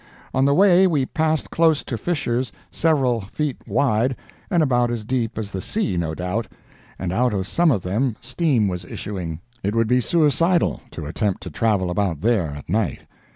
On the way we passed close to fissures several feet wide and about as deep as the sea, no doubt, and out of some of them steam was issuing. It would be suicidal to attempt to travel about there at night.